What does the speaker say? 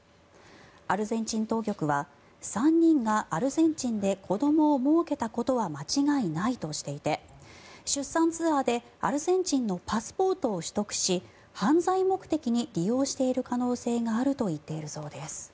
アルゼンチン当局は３人がアルゼンチンで子どもをもうけたことは間違いないとしていて出産ツアーでアルゼンチンのパスポートを取得し犯罪目的に利用している可能性があると言っているそうです。